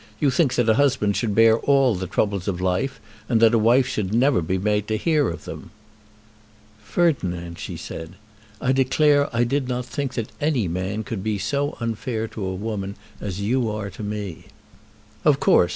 "You think that a husband should bear all the troubles of life, and that a wife should never be made to hear of them." "Ferdinand," she said, "I declare I did not think that any man could be so unfair to a woman as you are to me." "Of course!